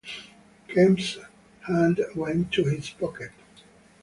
Kemp's hand went to his pocket.